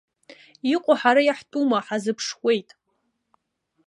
Иҟоу ҳара иаҳтәума ҳазыԥшуеит.